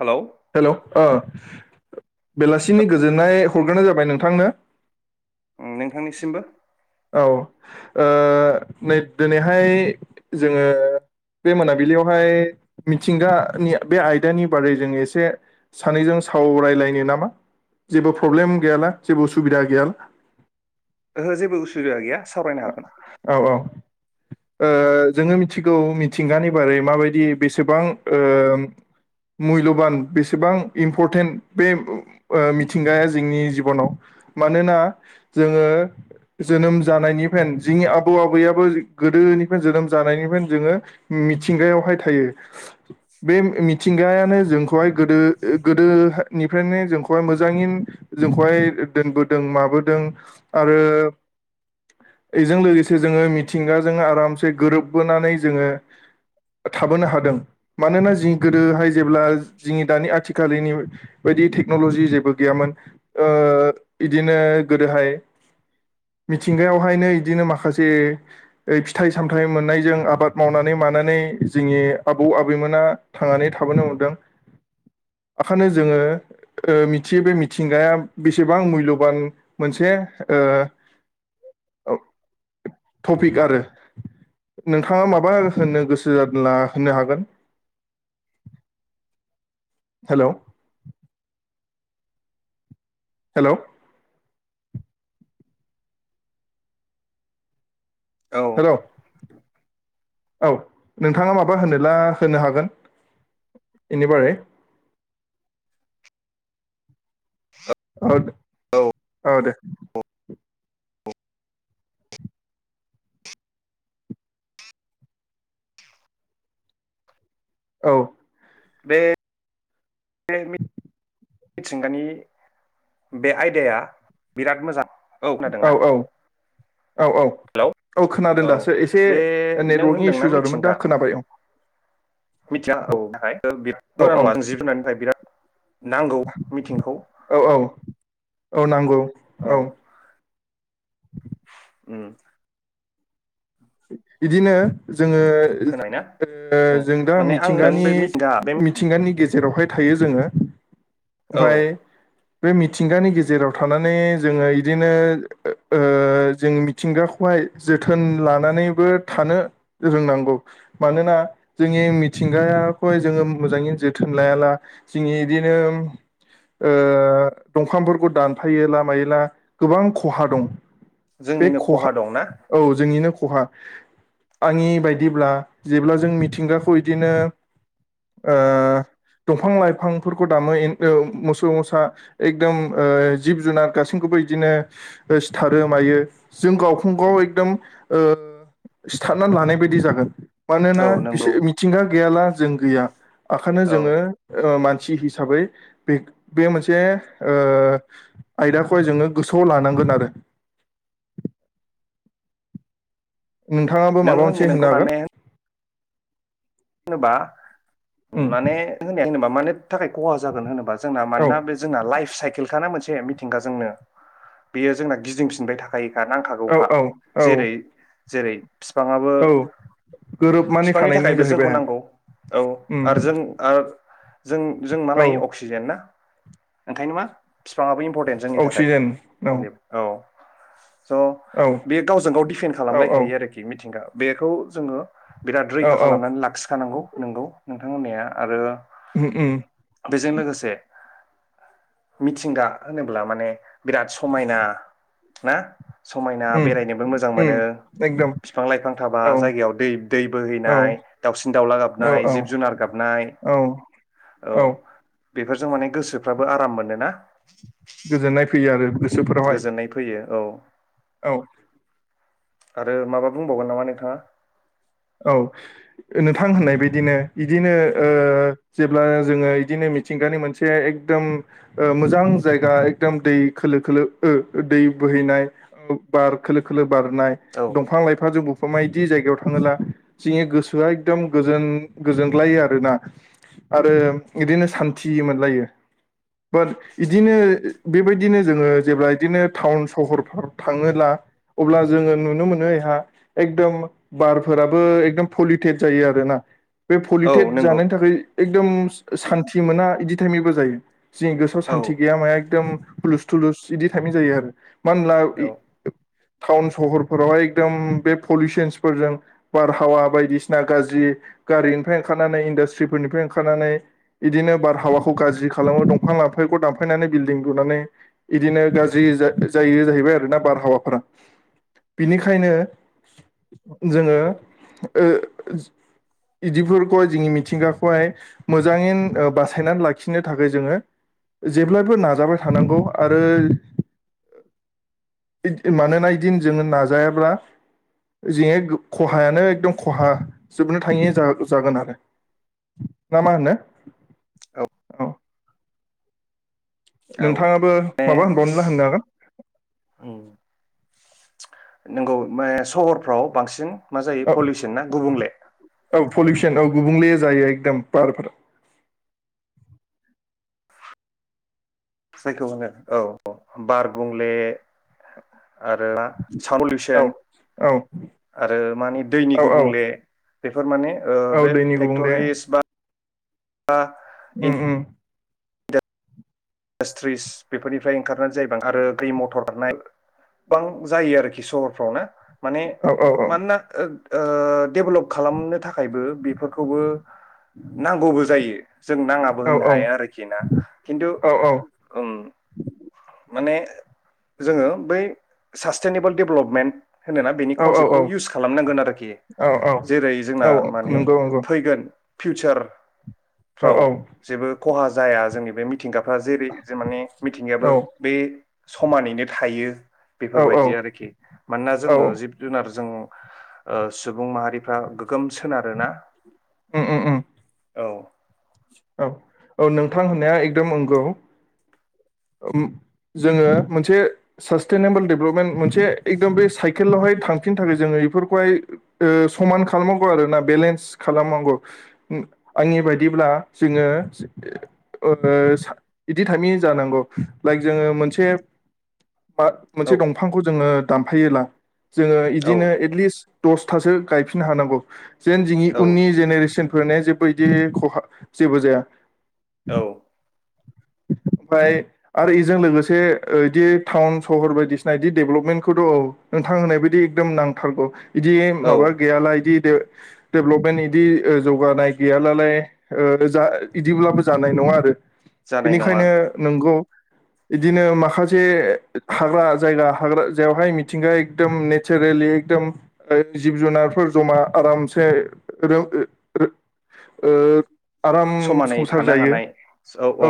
Hello hello औ औ बेलासिनि गोजोननाय हरग्रोनाय जाबाय नोंथांनो नोंथांनिसिमबो औ नै दिनैहाय जोङो बे मोनाबिलियावहाय मिथिंगानि बे आयदानि बारै जों एसे सानैजों सावरायलायनो नामा जेबो प्रब्लेम गैयाला जेबो उसुबिदा गैयाला ओहो जेबो उसुबिदा गैया सावरायनो हागोन औ ओ जोङो मिथिगौ मिथिंगानि बारै माबायदि बेसेबां मुल्यबान बेसेबां इम्परटेन्ट बे मिथिंगाया जोंनि जिबनाव मानोना जोङो जोनोम जानायनिफ्रायनो जोंनि आबौ आबैयाबो गोदोनिफ्रायनो जोनोम जानायनिफ्रायनो जोङो मिथिंगायावहाय थायो बे मिथिंगायानो जोंखौहाय गोदो गोदोनिफ्रायनो जोंखौहाय मोजाङैनो जोंखौहाय दोनबोदों माबोदों आरो बेजों लोगोसे जोङो मिथिंगाजों आरामसे गोरोबबोनानै जोङो थाबोनो हादों मानोना जि गोदोहाय जेब्ला जोंनि दानि आथिखाल खालिनि बायदि टेक्न'लजि जेबो गैयामोन बिदिनो गोदोहाय मिथिंगायावहायनो इदिनो माखासे फिथाइ सामथाइ मोननायजों आबाद मावनानै मानानै जोंनि आबौ आबैमोना थांनानै थाबोनो हमदों ओंखायनो जोङो मिथियो बे मिथिंगाया बेसेबां मुल्यबान मोनसे टपिक आरो नोंथाङा माबा होननो गोसो जादोंला होननो हागोन हेलौ हेलौ औ हेलौ औ नोंथाङा माबा होनोब्ला होननो हागोन बेनिबारै आ औ औ दे औ बे [unintelligible] मिथिगानि बे आयदाया बिराद मोजां औ खोनादोंना औ औ हेलौ खोनादों औ दासो एसे बे नों नेटवर्कनि इसु होनदोंना जादोंमोन दा मिथिंगा खोनाबाय औ मिथिंगा औ औ गां औ नङा जिब जुनार नांगौ मिथिंखौ औ औ औ नांगौ। औ उम बिदिनो जोङो खोनाबायना उम जों दा माने आं होनदों मिथिंगानि बे मिथिंगा बे मिथिंगानि गेजेरावजों जेरावहाय थायो जोङो औ ओमफाय बे मिथिंगानि गेजेराव थानानै जोङो बिदिनो ओ जों मिथिंगाखौहाय जोथोन लानानै नानैबो थानो रोंनांगौ मानोना जोंनि मिथिंगायखौहाय जोङो मोजाङैनो जोथोन लायाबला जोंनि बिदिनो ओ दंफांफोरखौ दानफायोला मायोला गोबां खहा दं बे जोंनिनो खहा दंना औ जोंनिनो खहा आंनि बायदिब्ला जेब्ला जों मिथिंगाखौ बिदिनो ओ दंफां लाइफांफोरखौ दामो मोसौ मोसा एकदम ओ जिब जुनार गासैखौबो बिदिनो सिथारो मायो जों गावखौ गाव औ एकदम ओ सिथारना लानाय बायदि जागोन। मानोना नंगौ बिसोर मिथिंगा गैयाला जों गैया ओंखायनो औ जोङो ओ मानसि मानसि हिसाबै बे बे मोनसे ओ आयदाखौहाय जोङो गोसोआव लानांगोन आरो नोंथाङाबो नों माबा होननाय मोनसे होननो हागोन। होनबा उम माने [unintelligible] मा माने नि थाखाय खहा जागोन होनोबा जोंना औ मानोना बे जोंना लाइफ साइकेल बिखाना मोनसे मिथिंगा जोंनो बेयो जोंना गिदिंफिनबाय थाखायो। औ नांखागौखा औ औ जेरै जेरै बिफाङाबो औ गोरोबनानै बिफांनि थानायनि थाखायबो जाहै जोंखौ नांगौ औ आरो जों आरो जों जों मा औ लायो अक्सिजेन ना ओंखायनो मा बिफाङाबो इम परटेन जोंनि थाखाय मुलि औ [inaudible] स' औ बेयो गावजों गाव डिफेन्ड औ औ खालामलायखायो आरोखि मिथिंगा बेखौ जोङो बिराद औ रैखा औ खालाम लाखिखानांगौ नंगौ ओम नोंथां होननाया आरो हो ओम बेजों लोगोसे मिथिंगा होनोब्ला माने बिराद समायना ना समायना उम बेरायनोबो मोजां मोनो उम एकदम बिफां लाइफां थाबा औ जायगायाव दै दै बोहैनाय औ दाउसिन दाउला औ गाबनाय जिब औ जुनार गाबनाय औ बेफोरजों माने गोसोफ्राबो आराम मोनोना गोजोननाय फैयो आरो गोसो गोजोननाय फैयो औ औ आरो माबा बुंबावगोन नामा नोंथाङा औ नोंथां होननाय बादिनो बिदिनो ओ जेब्ला जोङो बिदिनो मिथिंगानि मोनसे एकदम ओ मोजां जायगा एकदम दै खोलो खोलो ओ दै बोहैनाय बार खोलो खोलो बारनाय औ दंफां लाइफां जोंबो समायदि जायगायाव थाङोला जोंनि गोसोआ एकदम गोजोन गोजोनग्लायो आरोना आरो इदिनो सान्थि मोनलायो बाट इदिनो बेबायदिनो जोङो जेब्ला इदिनो टाउन सहरफ्राव थाङोब्ला अब्ला जोङो नुनो मोनोहा एकदम बार फोराबो एकदम पलिउटेट जायो आरोना बे औ पलिटेट नंगौ जानायनि थाखाय एकदम सान्ति मोना इदि टाइमैबो जायो जोंनि गोसोआव औ सान्थि गैया माया एकदम हुलुस थुलुस इदि थानाय जायो आरो मानो ला इ औ टाउन सहरफोरावहाय एकदम बे पलिउसनसफोरजों बारहावा बायदिसिना गाज्रि गारिनिफ्राय ओंखारनानै इन्डास्ट्रिफोरनिफ्राय ओंखारनानै बिदिनो बारहावाखौ गाज्रि खालामो दंफां लाांफांखौ दानफायनानै बिल्डिं लुनानै इदिनो गाज्रि जा जायो जाहैबाय आरोना बारहावाफोरा बिनिखायनो जोङो ओ बिदिफोरखौहाय जोंनि मिथिंगाखौहाय मोजाङै बासायनानै लाखिनो थाखाय जोङो जेब्लायबो नाजाबाय थानांगौ आरो मानोना एदिन जोङो नाजायाब्ला जोनिया खहायानो एकदम खहा जोबनो थाङि जा जागोन आरो ना मा होनो औ औ नोंथाङाबो माने माबा होनबावनोब्ला होननो हागोन नंगौ माने सहरफ्राव बांसिन मा जायो औ पलिउसन ना गुबुंले औ पलिउसन औ गुबुंले जायो एकदम बार बार जायखौ होनो औ औ बार गुंबुंले आरो साउन्ड औ पलिउसन औ आरो मानि दैनि औ औ गुबुंले बेफोर माने औ बे दैनि गुबुंले फेक्ट'रिस बा उम उम इन्डास्ट्रिस बेफोरनिफ्राय ओंखारनानै जायबा आरो दै मथर रहनाय गोबां जायो आरोखि सहरफ्राव ना माने औ औ औ मानोना डेभलप खालामनो थाखायबो बेफोरखौबो नांगौबो जायो जों नाङाबो औ होननो हायो आरोखि ना खिन्थु औ औ ओम माने जोङो बै सास्टेनेबोल डेभेलपमेन्ट होनोना बेनि औ कनसेप्टखौ औ इउस खालामनांगोन आरोखि औ औ जेरै जोंना माने नंगौ नंगौ फैगोन प्यिउसार औ फाव औ जेबो खहा जाया जोंनि बे मिथिंगाफ्रा जेरै जे माने औ मिथिंगायाबो समानैनो थायो बेफोरबायदि आरोखि मानोना औ जोङो जिब जुनार जों सुबुं माहारिफ्रा गोगोम सोनारोना उम उम उम औ औ औ नोंथां होननाया एकदम नंगौ जोङो मोनसे सास्टेनेबोल डेभेलपमेन्ट मोनसे एकदम बे साइकेलावहाय थांफिननो थाखाय जोङो बेफोरखौहाय समान खालामनांगौ आरोना बेलेन्स खालामनांगौ आंनि बायदिब्ला जोङो बिदि थामि जानांगौ लाइक जोङो मोनसे मा औ मोनसे दंफांखौ जोङो दानफायोब्ला जोङो औ इदिनो एटलिस्ट दसथासो गायफिननो हानांगौ जेन जोंनि औ उननि जेनेरेसन फोरनि जेबबो बिदि खहा जेबो जाया औ ओमफ्राय आरो इजों लोगोसे बिदि टाउन सहर बायदिसिना बिदि दडेभेलपमेन्टखौथ' औ नोंथां होननाय बायदि एकदम नांथारगौ बिदि औ माबा गैयाला बिदि डेभलपमेन्ट इदि ओ जौगानाय गैयालालाय ओ रोजा इदिब्लाबो जानाय नङा आरो जानाय नङा बेनिखायनो नोंगौ इदिनो माखासे हाग्रा जायगा हाग्रा जावहाय मिथिंगाया एकदम नेचारेलि एकदम जिब जुनारफोर जमा आरामसे [unintelligible] आराम समानै संसार थानो जायो हानाय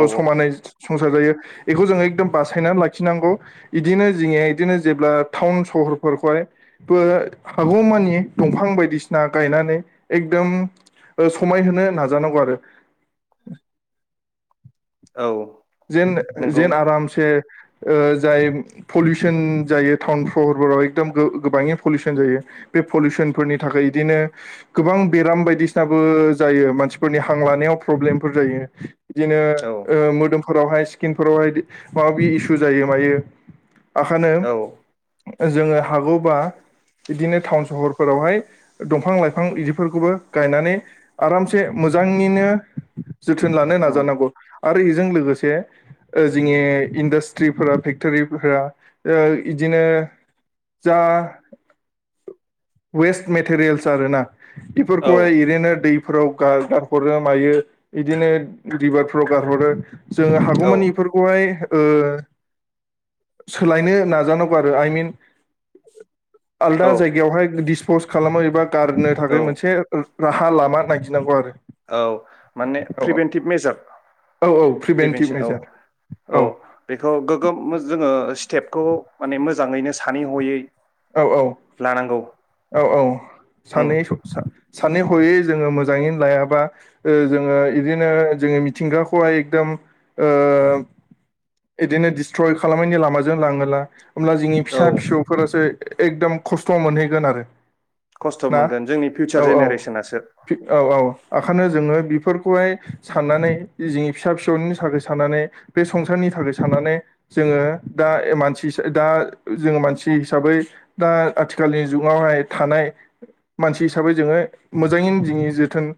औ समानै संसार जायो इखौ जोङो एखकदम बासायनानै लाखिनांगौ इदिनो जिंए इदिनो जेब्ला टाउन सहरफोरखौहाय बो हागौमानि दंफां बायदिसिना गायनानै एकदम ओ समायहोनो नाजानांगौ आरो बो औ जेन नंगौ जेन आरामसे ओ जाय पलिउसन जायो टाउन सहरफोराव एकदम गोबाङै पलिउसन जायो बे पलिउसनफोरनि थाखाय इदिनो गोबां बेराम बायदिसिनाबो जायो मानसिफोरनि हां लानायाव प्रब्लेमफोर जायो बिदिनो औ ओ मोदोम फोरावहाय स्किनफोरावहाय माबाबि इसु जायो मायो आखानो औ जोङो हागौबा बिदिनो टाउन सहरफोरावहाय दंफां लाइफां इदिफोरखौबो गायनानै आरामसे मोजाङैनो जोथोन लानो उम नाजानांगौ आरो इजों लोगोसे जोंनि इन्डास्ट्रिफोरा फेक्टरिफोरा ओ इदिनो जा वेस्ट मेटेरियेल्स आरो ना औ इफोरखौहाय इरैनो दै फोराव गार गारहरो मायो इदिनो रिभारफ्राव गारहरो जोंङो औ हागौमानि इफोरखौहाय ओ सोलायनो नाजानांगौ आरो आइ मिन आलदा औ जायगायावहाय दिस पस्ट खालाम होयोबा गारनो थाखाय औ मोनसे ओ राहा लामा नायगिनांगौ आरो औ माने औ प्रिभेन्टिभ मेजार औ औ प्रिभेन्टिभ प्रिभेनसन औ मेजार औ बेखौ गोगोम जोङो ओ स्टेपखौ माने मोजाङैनो सानै हयै औ औ लानांगौ औ औ उम सानै स सा सानै हयै जोङो मोजाङैनो लायाबा ओ जोङो इदिनो जोङो मिथिंगाखौहाय एकदम ओ इदिनो दिस्ट्रय खालामनायनि लामाजों लाङोला होमब्ला जोंनि औ फिसा फिसौफोरासो एकदम खस्थ' मोनहैगोन आरो खस्थ' ना मोनगोन जोंनि फिउचार औ औ जेनेरेसनासो औ औ आखानो जोङो बिफोरखौहाय साननानै जोंनि फिसा फिसौनि थाखाय साननानै बे संसारनि थाखाय साननानै जोङो दा मानसि दा जोङो मानसि हिसाबै दा आथिखालनि जुगावहाय थानाय मानसि हिसाबै जोङो मोजाङैनो जिंनि जोथोन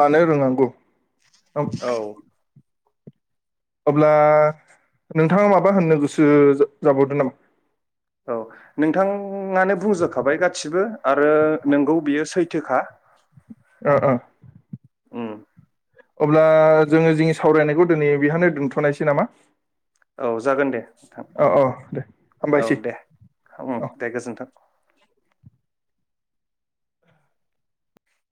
लानो रोंनांगौ औ अब्ला नोंथाङा माबा होननो गोसो जा [inaudible] जाबावदो नामा औ नोंथाङानो बुंजोबखाबाय गासिबो आरो नोंगौ बियो सैथ थोखा ओ ओ उम अब्ला जोङो जोंनि सावरायनायखौ दिनै बेहायनो दोन्थ'नायसै नामा औ जागोन दे नोंथां अ अ दे औ हामबायसै दे औ दे गोजोनथों